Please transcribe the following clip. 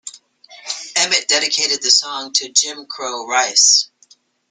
Emmett dedicated the song to "'Jim Crow' Rice".